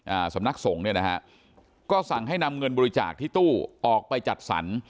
สำนักสงฆ์เนี่ยนะฮะก็สั่งให้นำเงินบริจาคที่ตู้ออกไปจัดสรร